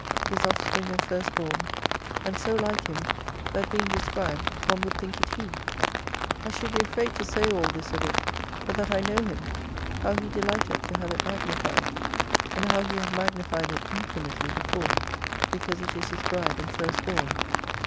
His offspring and first born, and so like Him, that being described, one would think it He. I should be afraid to say all this of it, but that I know Him, how He delighteth to have it magnified : And how He hath magnified it infinitely before because it is His bride and first born.